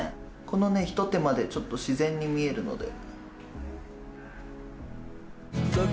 このね一手間ちょっと自然に見えるので。